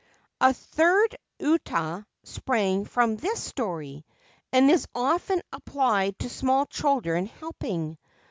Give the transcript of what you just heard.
1 A third ' Uta ' sprang from this story, and is often applied to small children helping.